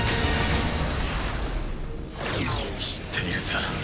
知っているさ。